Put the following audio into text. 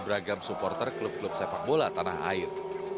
beragam supporter klub klub sepak bola tanah air